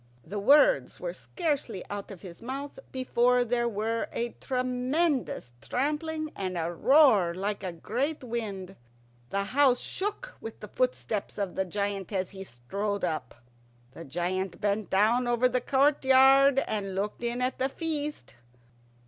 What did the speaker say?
The words were scarcely out of his mouth before there were a tremendous trampling and a roar of a great wind. The house shook with the footsteps of the giant as he strode up. The giant bent down over the courtyard and looked in at the feast.